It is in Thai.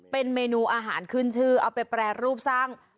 เป็นเมนูอาหารขึ้นชื่อเอาไปแปรรูปสร้าง